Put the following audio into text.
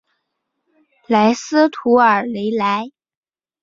莱斯图尔雷莱。